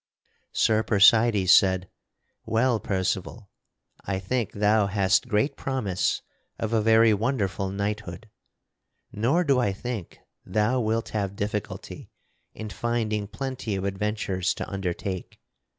Sir Percydes said: "Well, Percival, I think thou hast great promise of a very wonderful knighthood. Nor do I think thou wilt have difficulty in finding plenty of adventures to undertake.